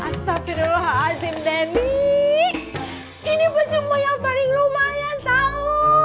astagfirullahaladzim denny ini bejumu yang paling lumayan tahu